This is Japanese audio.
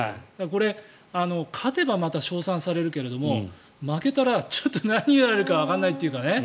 これ、勝てばまた称賛されるけれども負けたら、ちょっと何言われるかわからないというかね。